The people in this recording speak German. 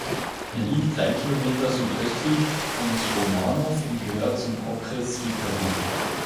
Er liegt drei Kilometer südöstlich von Svojanov und gehört zum Okres Svitavy.